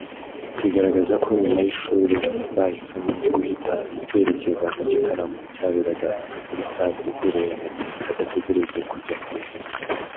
bigaragaza ko nyuma y’ishuri bahisemo guhita berekeza mu gitaramo cyaberaga muri Stade Ubworoherane badategereje kujya guhindura